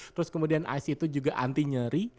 terus kemudian ice itu juga anti nyeri